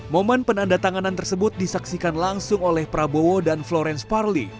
momen penandatanganan tersebut disaksikan langsung oleh prabowo dan florence parly